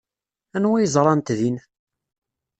Anwa ay ẓrant din?